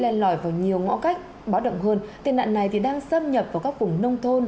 nói vào nhiều ngõ cách báo động hơn tệ nạn này thì đang xâm nhập vào các vùng nông thôn